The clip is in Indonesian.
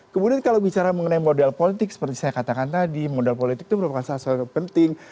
kemudian kalau bicara mengenai modal politik seperti saya katakan tadi modal politik itu merupakan salah satu penting